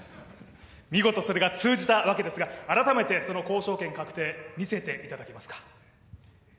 見事それが通じたわけですが、改めてその交渉権確定、見せていただけますか。